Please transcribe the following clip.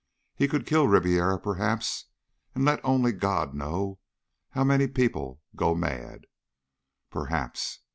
He could kill Ribiera, perhaps, and let only God know how many people go mad. Perhaps.